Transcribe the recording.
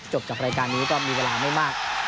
กับรายการนี้ก็มีเวลาไม่มาก